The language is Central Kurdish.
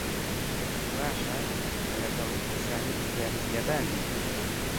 باشە کە لەگەڵ کەسانی دیکە میهرەبان بیت.